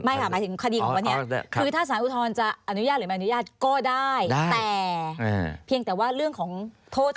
ค่ะหมายถึงคดีของวันนี้คือถ้าสารอุทธรณ์จะอนุญาตหรือไม่อนุญาตก็ได้แต่เพียงแต่ว่าเรื่องของโทษ